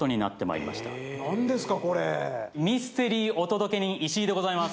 ミステリーお届け人石井でございます。